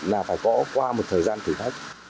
là phải có qua một thời gian thử thách